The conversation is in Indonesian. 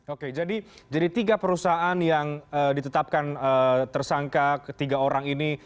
oke jadi tiga perusahaan yang ditetapkan tersangka ketiga orang ini